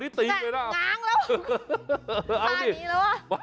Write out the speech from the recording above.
ไอ้หนูผิดเลยนะ